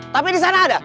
tapi disana ada